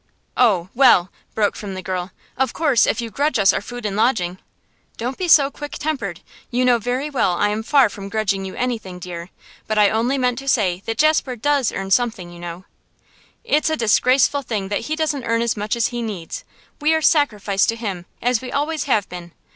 'Oh, well!' broke from the girl. 'Of course, if you grudge us our food and lodging ' 'Don't be so quick tempered. You know very well I am far from grudging you anything, dear. But I only meant to say that Jasper does earn something, you know.' 'It's a disgraceful thing that he doesn't earn as much as he needs. We are sacrificed to him, as we always have been.